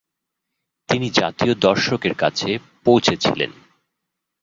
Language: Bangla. তিনি জাতীয় দর্শকের কাছে পৌঁছেছিলেন।